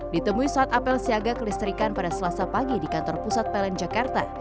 ditemui saat apel siaga kelistrikan pada selasa pagi di kantor pusat pln jakarta